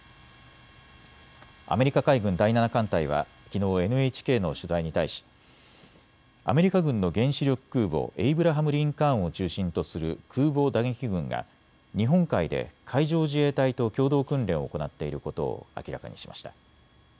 アメリカ海軍第７艦隊はきのうＮＨＫの取材に対し、アメリカ軍の原子力空母エイブラハム・リンカーンを中心とする空母打撃群が日本海で海上自衛隊と共同訓練を行っていることを明らかにしました。